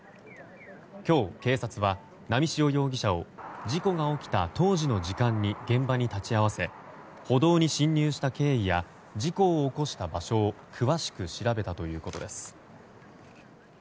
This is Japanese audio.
今日、警察は波汐容疑者を事故が起きた当時の時間に現場に立ち会わせ歩道に侵入した経緯や事故を起こした場所を詳しく調べたということです。